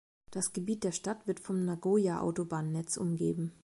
Das Gebiet der Stadt wird vom Nagoya-Autobahnnetz umgeben.